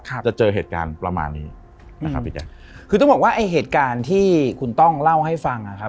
จะเจอเหตุการณ์ประมาณนี้นะครับพี่แจ๊คคือต้องบอกว่าไอ้เหตุการณ์ที่คุณต้องเล่าให้ฟังอ่ะครับ